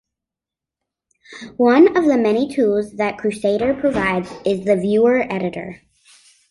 One of the many tools that Krusader provides is the viewer-editor.